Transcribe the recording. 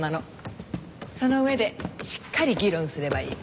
その上でしっかり議論すればいい。